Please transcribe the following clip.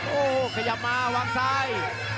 โอ้โหขยับมาวางซ้าย